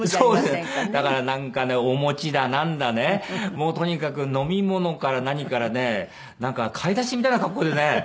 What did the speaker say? だからなんかねお餅だなんだねもうとにかく飲み物から何からねなんか買い出しみたいな格好でね。